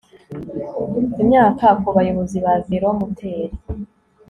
imyaka ku bayobozi ba velomoteri